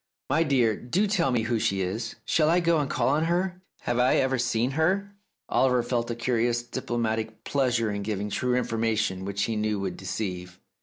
"My dear, do tell me who she is ? Shall I go and call on her ? Have I ever seen her ?" Oliver felt a curious diplomatic pleasure in giving true information which he knew would deceive.